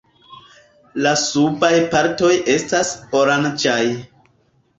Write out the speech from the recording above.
La subaj partoj estas oranĝaj.